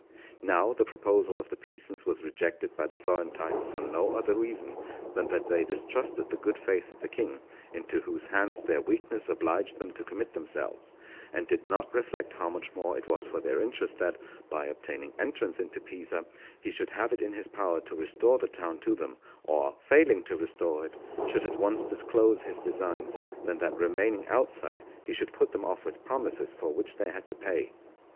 Now the proposal of the Pisans was rejected by the Florentines for no other reason than that they distrusted the good faith of the King, into whose hands their weakness obliged them to commit themselves, and did not reflect how much more it was for their interest that, by obtaining entrance into Pisa, he should have it in his power to restore the town to them, or, failing to restore it, should at once disclose his designs, than that remaining outside he should put them off with promises for which they had to pay.